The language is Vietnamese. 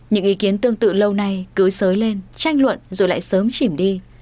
những ý kiến tương tự lâu nay cứ sới lên tranh luận rồi lại sớm chỉnh đi